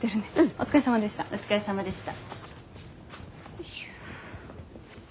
お疲れさまでした。